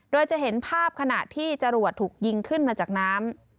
โดยจะเห็นภาพขณะที่จรวดถูกยิงขึ้นมาจากน้ำ